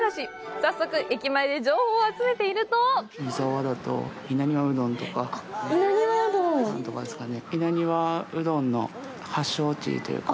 早速、駅前で情報を集めていると湯沢だと稲庭うどんとか。